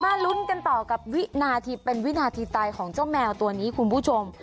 ลุ้นกันต่อกับวินาทีเป็นวินาทีตายของเจ้าแมวตัวนี้คุณผู้ชม